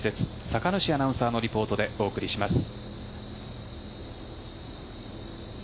酒主アナウンサーのリポートでお送りします。